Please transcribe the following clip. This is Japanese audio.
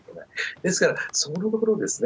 ですから、そういうところですね。